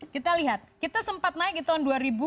kita lihat kita sempat naik di tahun dua ribu